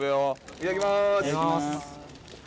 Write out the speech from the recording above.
いただきます。